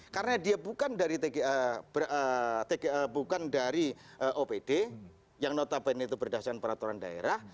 karena dia bukan dari opd yang notabene itu berdasarkan peraturan daerah